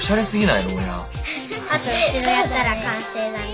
あと後ろやったら完成だね。